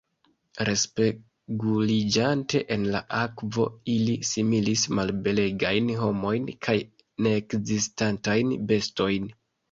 Respeguliĝante en la akvo, ili similis malbelegajn homojn kaj neekzistantajn bestojn.